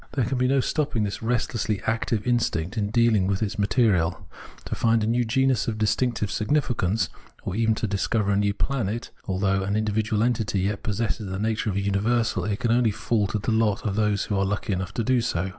There can be no stop ping this restlessly active instinct in dealing with its material. To find a new genus of distinctive significance, or even to discover a new planet, which although an individual entity, yet possesses the nature of a universal, can only fall to the lot of those who are lucky enough to do so.